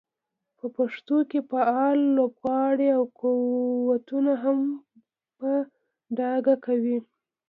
په پېښو کې فعال لوبغاړي او قوتونه هم په ډاګه کوي.